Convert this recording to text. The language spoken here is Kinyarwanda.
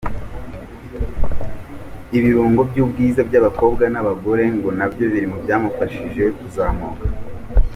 Iburungo by'ubwiza bw'abakobwa n'abagore ngo nabyo biri mu byamufashije kuzamuka.